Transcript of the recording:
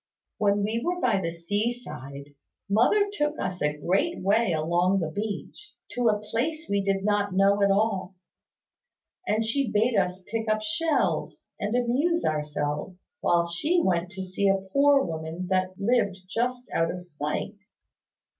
When we were by the sea side, mother took us a great way along the beach, to a place we did not know at all; and she bade us pick up shells, and amuse ourselves, while she went to see a poor woman that lived just out of sight.